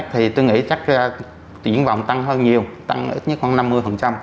thì tôi nghĩ chắc triển vọng tăng hơn nhiều tăng ít nhất khoảng năm mươi